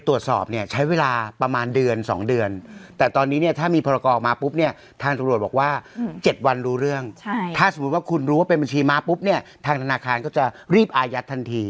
ถ้าว่าคุณรู้ว่าเป็นบัญชีม้าทางธนาคารก็จะรีบอายัดทันที